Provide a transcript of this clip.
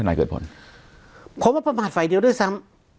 ขนาดเกิดผลเพราะว่าประมาทไฟเดียวด้วยซ้ำ